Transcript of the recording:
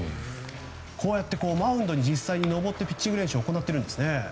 こうやってマウンドに登って実際にピッチング練習を行っているんですね。